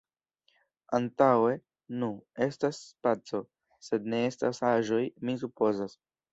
Antaŭe… Nu, estas spaco, sed ne estas aĵoj, mi supozas.